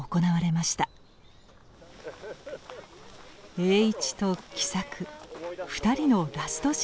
栄一と喜作２人のラストシーンです。